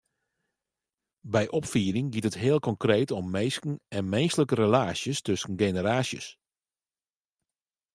By opfieding giet it heel konkreet om minsken en minsklike relaasjes tusken generaasjes.